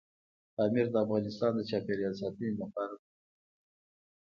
پامیر د افغانستان د چاپیریال ساتنې لپاره مهم دي.